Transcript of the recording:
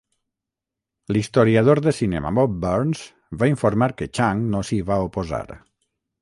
L'historiador de cinema Bob Burns va informar que Chang no s'hi va oposar.